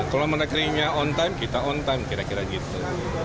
kalau mendagrinya on time kita on time kira kira gitu